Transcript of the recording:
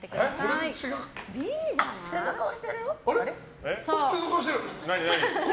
全然普通の顔してる！